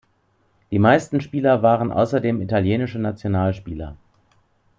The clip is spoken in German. Die meisten Spieler waren außerdem italienische Nationalspieler.